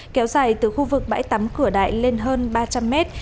kéo dài từ khu vực bãi tắm cửa đại lên hơn ba trăm linh mét